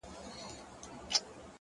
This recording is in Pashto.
د تمرکز ساتل بریا نږدې کوي’